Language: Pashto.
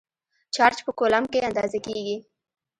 چارج په کولمب کې اندازه کېږي.